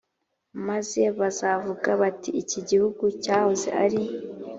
maze bazavuga bati iki gihugu cyahoze ari